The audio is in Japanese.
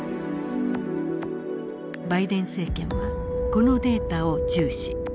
バイデン政権はこのデータを重視。